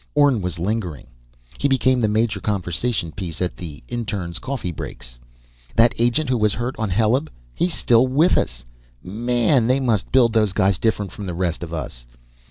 Orne was lingering. He became the major conversation piece at the internes' coffee breaks: "That agent who was hurt on Heleb, he's still with us. Man, they must build those guys different from the rest of us!...